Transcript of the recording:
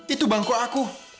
itu bangku aku